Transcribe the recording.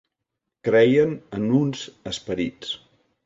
Creien en uns esperits.